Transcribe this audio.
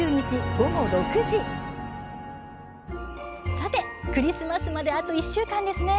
さて、クリスマスまであと１週間ですね。